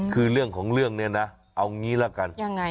คือเรื่องของเรื่องเนี่ยนะเอางี้ละกัน